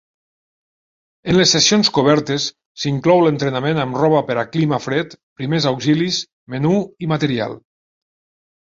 En les sessions cobertes s'inclou l'entrenament amb roba per a clima fred, primers auxilis, menú i material.